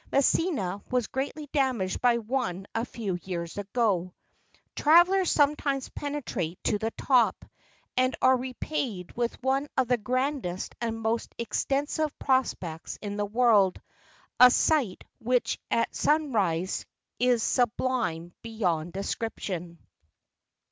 Messina was greatly damaged by one a few years ago. Travellers sometimes penetrate to the top, and are repaid with one of the grandest and most ex¬ tensive prospects in the world—a sight which at sunrise is sublime beyond description.